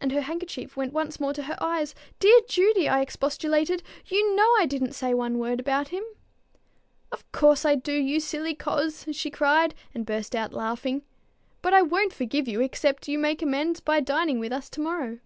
And her handkerchief went once more to her eyes. "Dear Judy!" I expostulated, "you know I didn't say one word about him." "Of course I do, you silly coz!" she cried, and burst out laughing. "But I won't forgive you except you make amends by dining with us to morrow."